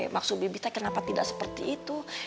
maksud bebi teh kenapa tidak seperti itu